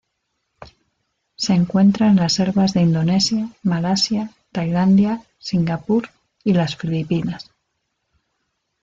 Se encuentra en las selvas de Indonesia, Malasia, Tailandia, Singapur y las Filipinas.